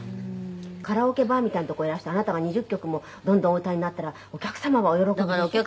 「カラオケバーみたいな所いらしてあなたが２０曲もどんどんお歌いになったらお客様がお喜びでしょ？」